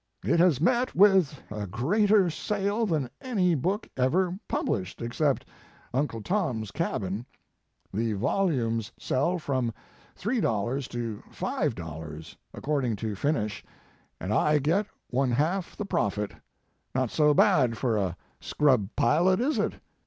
It has met with a greater sale than any book ever published, except Uncle Tom s Cabin/ The volumes sell from $3 to $5 according to finish, and I His Life and Work. get one half the profit. Not so bad, for a scrub pilot, is it?